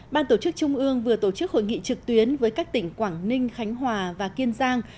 ban tổ chức trung ương vừa tổ chức hội nghị trực tuyến với các tỉnh quảng ninh khánh hòa và kiên giang